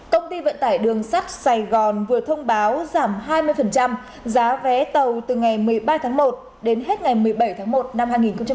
công ty vận tải đường sắt sài gòn vừa thông báo giảm hai mươi giá vé tàu từ ngày một mươi ba tháng một đến hết ngày một mươi bảy tháng một năm hai nghìn hai mươi